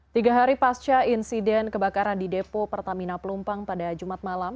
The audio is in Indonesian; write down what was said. tiga hari pasca insiden kebakaran di depo pertamina pelumpang pada jumat malam